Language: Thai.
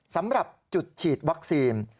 สำหรับจุดฉีดวัคซีน